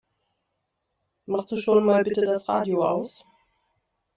Machst du schon mal bitte das Radio aus?